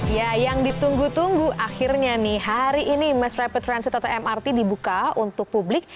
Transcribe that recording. ya yang ditunggu tunggu akhirnya nih hari ini mass rapid transit atau mrt dibuka untuk publik